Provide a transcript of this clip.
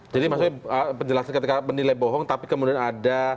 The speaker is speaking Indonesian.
jadi maksudnya penjelasan ketika penilai bohong tapi kemudian ada